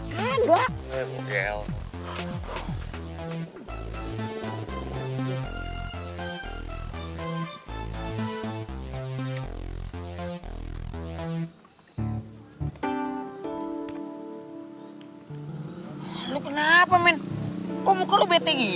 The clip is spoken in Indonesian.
habis ini lo paham malam tadi